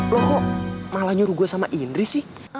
loh kok malah nyuruh gue sama indri sih